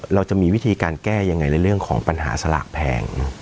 เราจะมีวิธีการแก้ยังไงในเรื่องของปัญหาสลากแพง